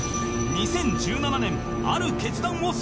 ２０１７年ある決断をする